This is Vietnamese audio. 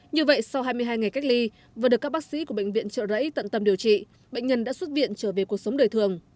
như vậy sau hai mươi hai ngày cách ly vừa được các bác sĩ của bệnh viện trợ rẫy tận tâm điều trị bệnh nhân đã xuất viện trở về cuộc sống đời thường